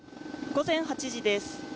午前８時です。